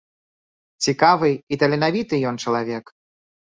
Цікавы і таленавіты ён чалавек.